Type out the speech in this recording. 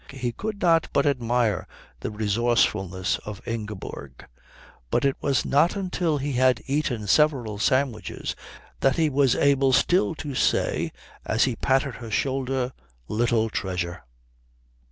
He could not but admire the resourcefulness of Ingeborg; but it was not until he had eaten several sandwiches that he was able still to say, as he patted her shoulder, "Little treasure."